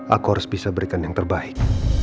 aku harus bisa berikan yang terbaik